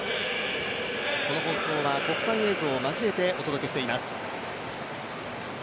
この放送は国際映像を交えて放送しています。